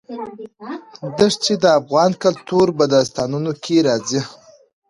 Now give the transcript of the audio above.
دښتې د افغان کلتور په داستانونو کې راځي.